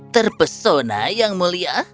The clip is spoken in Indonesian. terpesona yang mulia